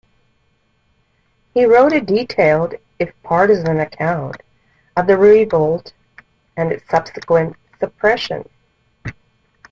He wrote a detailed if partisan account of the revolt and its subsequent suppression.